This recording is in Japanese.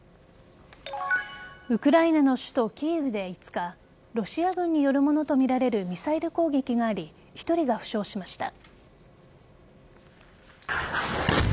ウクライナの首都・キーウで５日ロシア軍によるものとみられるミサイル攻撃があり１人が負傷しました。